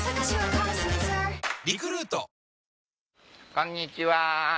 こんにちは。